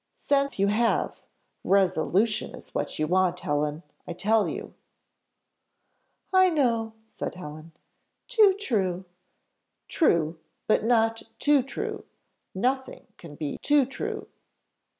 "Sense you have enough resolution is what you want, Helen, I tell you." "I know," said Helen, "too true " "True, but not too true nothing can be too true."